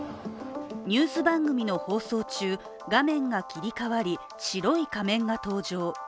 ニュース番組の放送中画面が切り替わり、白い仮面が登場。